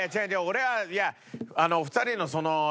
俺はいや２人のそのね